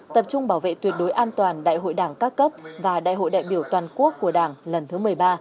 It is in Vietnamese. tập trung bảo vệ tuyệt đối an toàn đại hội đảng các cấp và đại hội đại biểu toàn quốc của đảng lần thứ một mươi ba